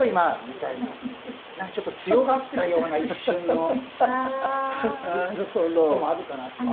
みたいな何かちょっと強がったような一瞬のこともあるかなって。